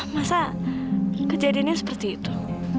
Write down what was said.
masa kejadiannya seperti itu